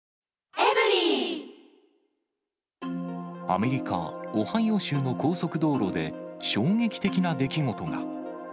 アメリカ・オハイオ州の高速道路で、衝撃的な出来事が。